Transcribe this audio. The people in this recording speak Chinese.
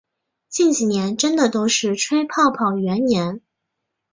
近几年真的都是吹泡泡元年